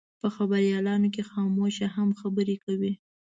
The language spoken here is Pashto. په خبریالانو کې خاموشه هم خبرې کوي.